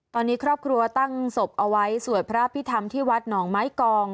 ตอนนี้ครอบครัวตั้งศพเอาไว้สวดพระพิธรรมที่วัดหนองไม้กอง